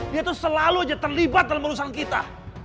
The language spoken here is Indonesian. dia tuh selalu aja terlibat dalam urusan kita